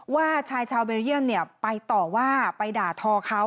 ว่าชายชาวเบลเยี่ยมไปต่อว่าไปด่าทอเขา